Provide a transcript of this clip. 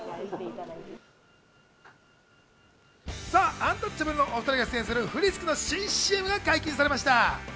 アンタッチャブルのお２人が出演するフリスクの新ＣＭが解禁されました。